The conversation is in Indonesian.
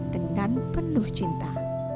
dengan penuh cinta